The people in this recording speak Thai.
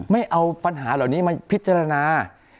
ไม่เอาปัญหาเหล่านี้มาพิจารณา